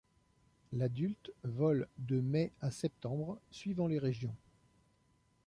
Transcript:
L'adulte vole de mai à septembre suivant les régions.